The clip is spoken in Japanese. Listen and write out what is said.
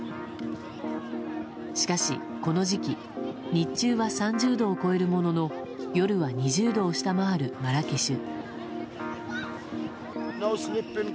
しかし、この時期日中は３０度を超えるものの夜は２０度を下回るマラケシュ。